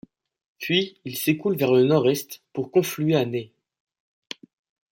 Puis il s'écoule vers le nord-est pour confluer à Nay.